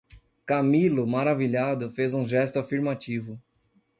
Camilo, maravilhado, fez um gesto afirmativo.